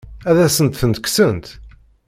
Ad asent-tent-kksent?